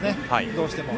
どうしても。